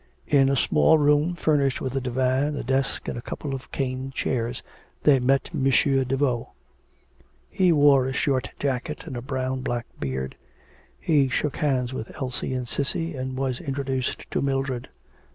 In a small room furnished with a divan, a desk, and a couple of cane chairs, they met M. Daveau. He wore a short jacket and a brown black beard. He shook hands with Elsie and Cissy, and was introduced to Mildred.